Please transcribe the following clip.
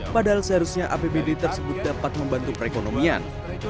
padahal seharusnya apbd tersebut dapat membantu perekonomian